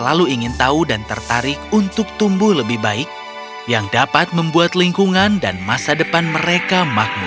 selalu ingin tahu dan tertarik untuk tumbuh lebih baik yang dapat membuat lingkungan dan masa depan mereka makmur